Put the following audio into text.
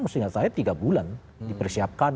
seingat saya tiga bulan dipersiapkan